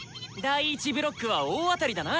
第１ブロックは大当たりだな！